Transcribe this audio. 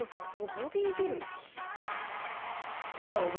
ボディービル。